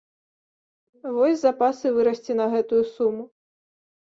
Вось запас і вырасце на гэтую суму.